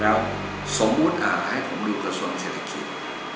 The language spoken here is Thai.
แล้วสมมุติให้ผมดูกระทรวงศิลคิด